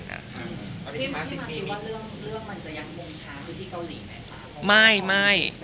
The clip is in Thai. เป็นวัยที่จะยังมงทางด้วยที่เกาหลีมั้ยคะ